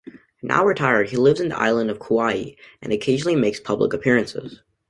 Now retired, he lives on the island of Kaua'i and occasionally makes public appearances.